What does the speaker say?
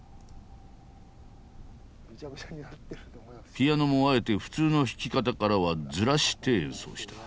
ピアノもあえて普通の弾き方からはズラして演奏した。